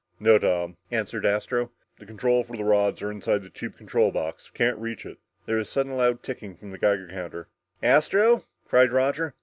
"No, Tom," answered Astro, "the control for the rods are inside the tube control box. We can't reach it." There was a sudden loud ticking from the Geiger counter. "Astro!" cried Roger.